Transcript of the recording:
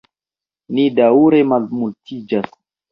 Ni daŭre malmultiĝas.